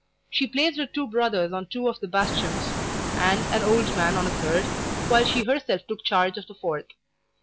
She placed her two brothers on two of the bastions, and an old man on a third, while she herself took charge of the fourth.